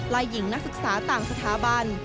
หญิงนักศึกษาต่างสถาบัน